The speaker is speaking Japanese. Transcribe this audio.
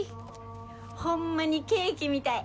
ホンマにケーキみたい！